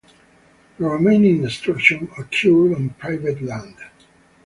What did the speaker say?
The remaining destruction occurred on private land.